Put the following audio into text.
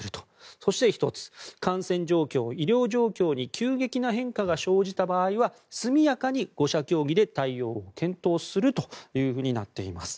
そして１つ感染状況、医療状況に急激な変化が生じた場合は速やかに５者協議で対応を検討するというふうになっています。